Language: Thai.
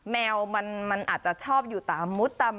แมวมันอาจจะชอบอยู่ตามมุดตาม